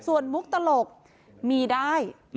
ส่วนมุกตลกมีได้